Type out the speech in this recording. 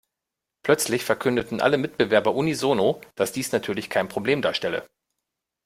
Plötzlich verkündeten alle Mitbewerber unisono, dass dies natürlich kein Problem darstelle.